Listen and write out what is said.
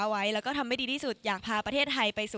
ไว้แล้วก็ทำให้ดีที่สุดอยากพาประเทศไทยไปสู่